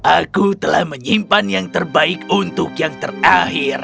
aku telah menyimpan yang terbaik untuk yang terakhir